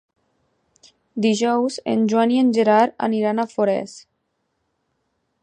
Dijous en Joan i en Gerard aniran a Forès.